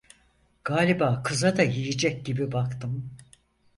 Galiba kıza da yiyecek gibi baktım.